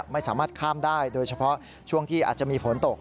ไม่สามารถข้ามได้โดยเฉพาะช่วงที่อาจจะมีฝนตก